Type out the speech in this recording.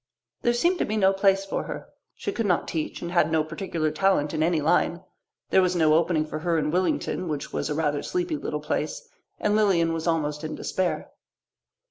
There seemed to be no place for her. She could not teach and had no particular talent in any line. There was no opening for her in Willington, which was a rather sleepy little place, and Lilian was almost in despair.